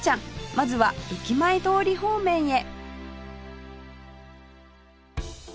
まずは駅前通り方面へ